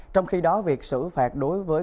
trong khi đó việc xử phạt đối với